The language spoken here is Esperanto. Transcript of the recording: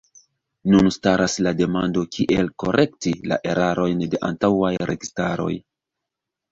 Nun staras la demando kiel korekti la erarojn de antaŭaj registaroj.